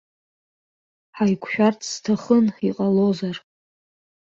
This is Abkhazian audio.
Ҳаиқәшәарц сҭахын, иҟалозар?